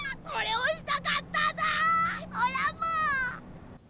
おらも！